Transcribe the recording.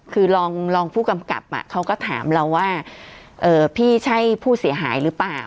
คือรองผู้กำกับเขาก็ถามเราว่าพี่ใช่ผู้เสียหายหรือเปล่า